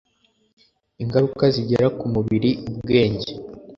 Ingaruka Zigera ku Mubiri Ubwenge